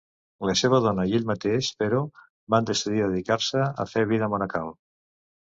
La seva dona i ell mateix, però, van decidir dedicar-se a fer vida monacal.